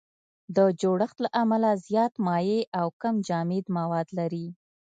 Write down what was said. د جوړښت له امله زیات مایع او کم جامد مواد لري.